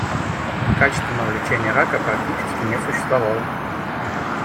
Качественного лечения рака практически не существовало.